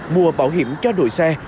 mua bảo hiểm cho đội xe